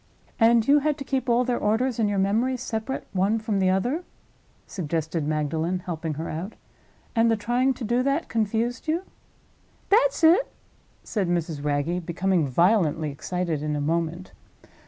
"And you had to keep all their orders in your memory, separate one from the other?" suggested Magdalen, helping her out. "And the trying to do that confused you?" "That's it!" said Mrs. Wragge, becoming violently excited in a moment.